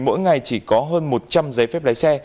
mỗi ngày chỉ có hơn một trăm linh giấy phép lái xe